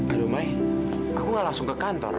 aduh may aku gak langsung ke kantor